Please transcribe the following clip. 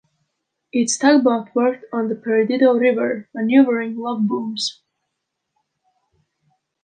Its tugboat worked on the Perdido River, maneuvering logbooms.